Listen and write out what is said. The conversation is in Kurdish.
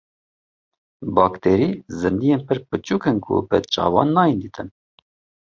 Bakterî zindiyên pir biçûk in ku bi çavan nayên dîtin.